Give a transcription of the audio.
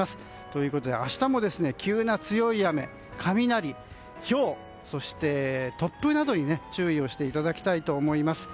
ということで明日も急な強い雨、雷、ひょうそして、突風などに注意をしていただきたいと思います。